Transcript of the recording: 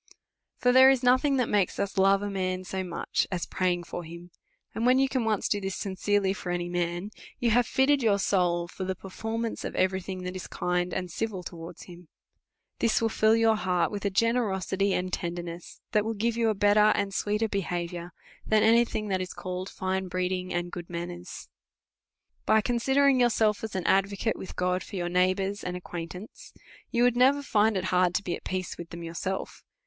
For there is nothing that makes us love a man so much, as praying for him ; and, when you can once do this sincerely for any man, you have fitted your soul for the perform ance of every thing that is kind and civil towards him. This will fill your heart with a generqsity and tender ness, that will give you a better and sweeter behaviour, than any thing that is called fine breeding and good manners. By considering yourself as an advocate with God for your neighbours and acquaintance, you would never find it hard to be at peace with them yourself.